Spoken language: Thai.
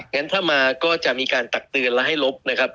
งั้นถ้ามาก็จะมีการตักเตือนและให้ลบนะครับ